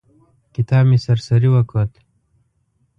کتاب مې سر سري وکوت.